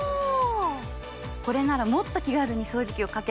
これならもっと気軽に掃除機をかけられそうですね。